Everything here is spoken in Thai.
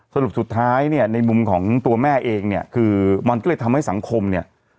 สรุปสุดท้ายเนี่ยในมุมของตัวแม่เองเนี่ยคือมันก็เลยทำให้สังคมเนี่ย